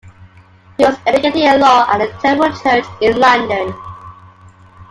He was educated in law at the Temple Church in London.